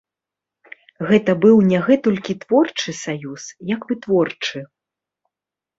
Гэта быў не гэтулькі творчы саюз, як вытворчы.